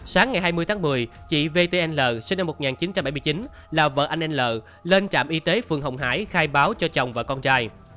sáng ngày hai mươi tháng một mươi chị vtn sinh năm một nghìn chín trăm bảy mươi chín là vợ anh l lên trạm y tế phường hồng hải khai báo cho chồng và con trai